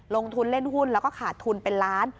ลงทุนเล่นหุ้นแล้วก็ขาดทุนเป็นล้าน